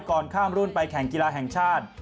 ก่อนข้ามรุ่นไปแข่งกีฬาแห่งชาติ